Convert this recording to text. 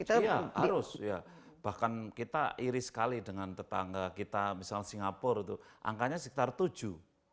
iya harus ya bahkan kita iri sekali dengan tetangga kita misal singapura itu angkanya sekitar tujuh perseratus ribu